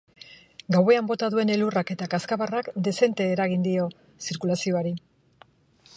Gauean bota duen elurrak eta kazkabarrak dezente eragin dio zirkulazioari.